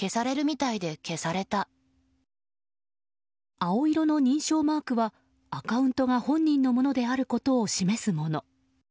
青色の認証マークはアカウントが本人のものであることを示すもの。